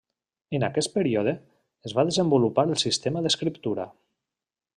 En aquest període, es va desenvolupar el sistema d'escriptura.